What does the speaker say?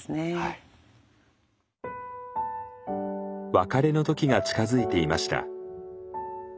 別れの時が近づいていました。